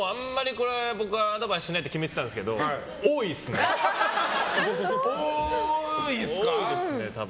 これ僕はアドバイスしないって決めていたんですけど多いっすね、多分。